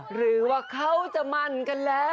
หรือว่าเขาจะมั่นกันแล้ว